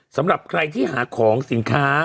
สำหรับใครที่หาของสินค้า